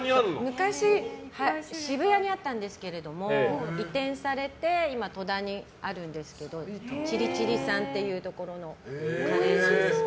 昔、渋谷にあったんですけども移転されて今、戸田にあるんですけどチリチリさんっていうところのカレーが大好きです。